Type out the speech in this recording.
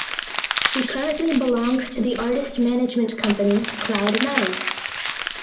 She currently belongs to the artist management company Cloud Nine.